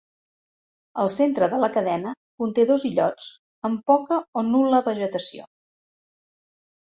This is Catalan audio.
El centre de la cadena conté dos illots amb poca o nul·la vegetació.